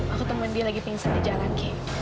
aku temuin dia lagi pingsan di jalan kay